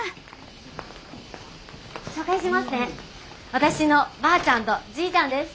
私のばあちゃんとじいちゃんです。